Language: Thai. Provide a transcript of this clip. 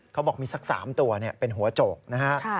เขาบอกมีสัก๓ตัวเป็นหัวโจกนะฮะ